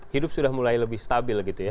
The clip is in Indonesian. hidup sudah mulai lebih stabil